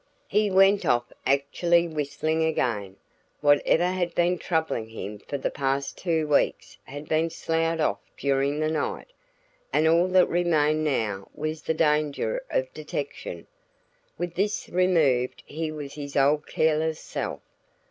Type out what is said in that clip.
He went off actually whistling again. Whatever had been troubling him for the past two weeks had been sloughed off during the night, and all that remained now was the danger of detection; with this removed he was his old careless self.